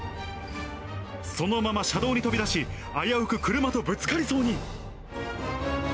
そのまま車道に飛び出し、危うく車とぶつかりそうに。